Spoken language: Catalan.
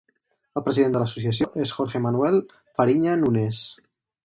El president de l'associació és Jorge Manuel Farinha Nunes.